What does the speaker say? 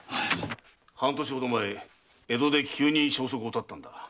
半年ほど前江戸で急に消息を絶ったんだ。